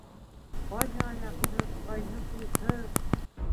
Ҡайһы аяҡһыҙ, ҡайһы ҡулһыҙ